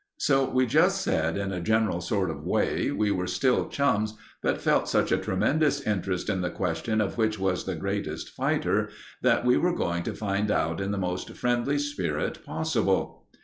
So we just said in a general sort of way, we were still chums, but felt such a tremendous interest in the question of which was the greatest fighter, that we were going to find out in the most friendly spirit possible.